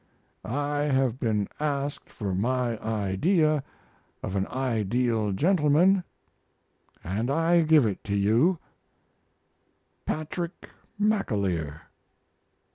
I have been asked for my idea of an ideal gentleman, and I give it to you Patrick McAleer.